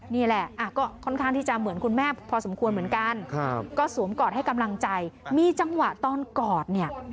นี่แหละก็ค่อนข้างที่จะเหมือนคุณแม่พอสมควรเหมือนกันก็สวมกอดให้กำลังใจมีจังหวะตอนกอดเนี่ย